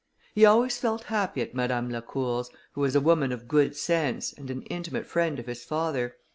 He always felt happy at Madame Lacour's, who was a woman of good sense, and an intimate friend of his father.